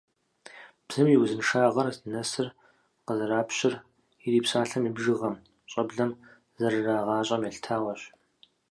Бзэм и узыншагъэр здынэсыр къызэрапщыр ирипсалъэм и бжыгъэм, щӀэблэм зэрырагъащӀэм елъытауэщ.